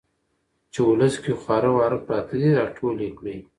چې ولس کې خواره واره پراته دي را ټول يې کړي.